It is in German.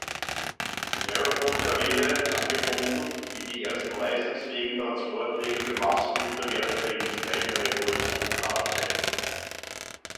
Narrowboat-Kanäle, angebunden, die die ersten leistungsfähigen Transportwege für Massengüter während der industriellen Revolution darstellten.